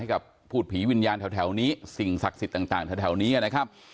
กับพูดผีวิญญาณแถวนี้สิ่งศักดิ์สิทธิ์ต่างแถวนี้นะครับ